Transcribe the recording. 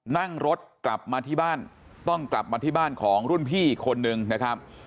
นั่งรถกลับมาที่บ้านต้องกลับมาที่บ้านของรุ่นพี่อีกคนนึงนะครับ